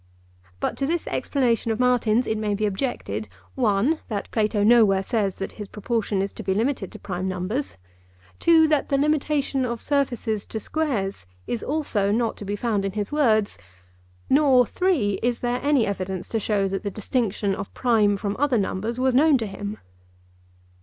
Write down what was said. But to this explanation of Martin's it may be objected, (1) that Plato nowhere says that his proportion is to be limited to prime numbers; (2) that the limitation of surfaces to squares is also not to be found in his words; nor (3) is there any evidence to show that the distinction of prime from other numbers was known to him.